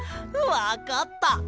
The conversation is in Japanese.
わかった！